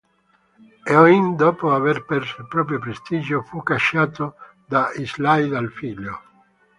Eoin, dopo aver perso il proprio prestigio, fu cacciato da Islay dal figlio.